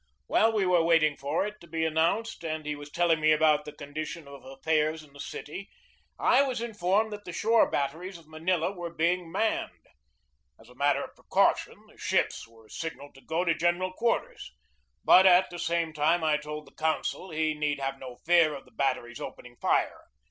While we were waiting for it to be announced and he was telling me about the condition of affairs in the city, I was in formed that the shore batteries of Manila were being manned. As a matter of precaution, the ships were 234 AFTER THE BATTLE 235 signalled to go to general quarters; but at the same time I told the consul he need have no fear of the batteries opening fire.